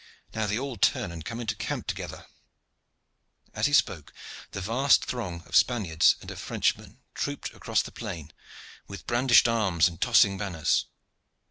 Now they all turn and come into the camp together." As he spoke, the vast throng of Spaniards and of Frenchmen trooped across the plain, with brandished arms and tossing banners.